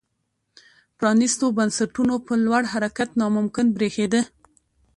پرانیستو بنسټونو په لور حرکت ناممکن برېښېده.